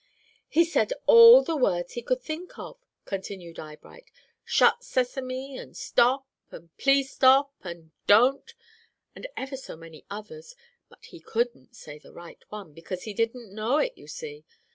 "He said all the words he could think of," continued Eyebright; "'Shut, sesame!' and 'Stop!' and 'Please stop!' and 'Don't!' and ever so many others; but he couldn't say the right one, because he didn't know it, you see!